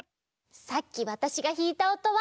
さっきわたしがひいたおとは